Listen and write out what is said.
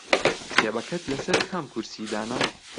کتێبەکەت لەسەر کام کورسی دانا؟